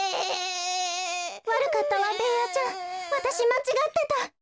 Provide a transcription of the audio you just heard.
わるかったわベーヤちゃんわたしまちがってた。